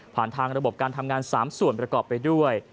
ทางระบบการทำงาน๓ส่วนประกอบไปด้วย